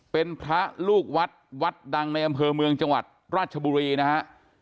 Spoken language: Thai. เป็นพระลูกวัดวัดดังในอำเภอเมืองจังหวัดราชบุรีนะฮะ